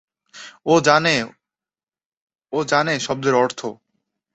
ও জানে, ও জানে শব্দের অর্থ।